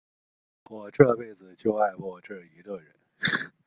我这辈子就爱过这一个人。